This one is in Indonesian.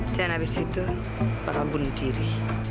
dan abis itu bakal bunuh diri